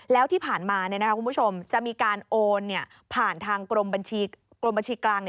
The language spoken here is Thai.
แล้วที่ผ่านมาคุณผู้ชมจะมีการโอนผ่านทางกรมบัญชีกลาง